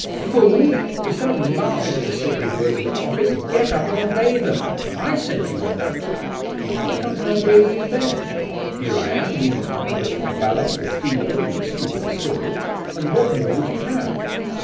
'Fool! instead of laughing at the sacred words of the prophets, get up and obey them. I sent you the note.' 'Why can't I obey them in bed? Here I am, reading hard at the Cabbala, or Philo who is stupider still and what more would you have?